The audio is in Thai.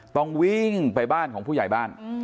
ต้องวิ่งไปบ้านของผู้ใหญ่บ้าน